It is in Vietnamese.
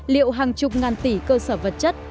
liệu hàng chục ngàn tỷ cơ sở vật chất